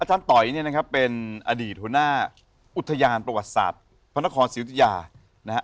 อาจารย์ต่อยเนี่ยนะครับเป็นอดีตหัวหน้าอุทยานประวัติศาสตร์พระนครศรีอุทยานะครับ